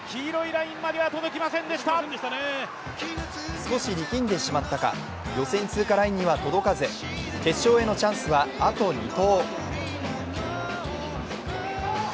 少し力んでしまったか予選通過ラインには届かず決勝へのチャンスはあと２投。